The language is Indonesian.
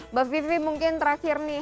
mbak vivi mungkin terakhir nih